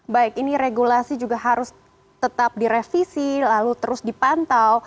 baik ini regulasi juga harus tetap direvisi lalu terus dipantau